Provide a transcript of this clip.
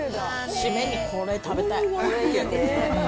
締めにこれ食べたい。